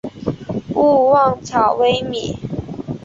勿忘草微米。